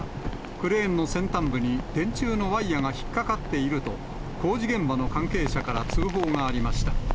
クレーンの先端部に電柱のワイヤが引っ掛かっていると、工事現場の関係者から通報がありました。